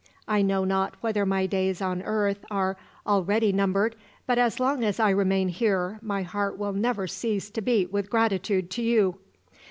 I know not whether my days on earth are already numbered, but as long as I remain here, my heart will never cease to beat with gratitude to you!"